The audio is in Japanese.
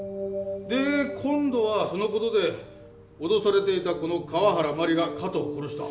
で今度はその事で脅されていたこの河原真里が加藤を殺した。